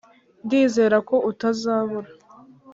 ndizera ko utazabura.